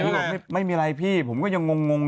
บอกไม่มีอะไรพี่ผมก็ยังงง